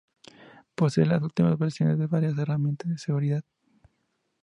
Posee las últimas versiones de varias herramientas de seguridad.